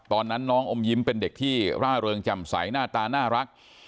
ตอนนั้นน้องอมยิ้มเป็นเด็กที่ร่าเริงแจ่มใสหน้าตาน่ารัก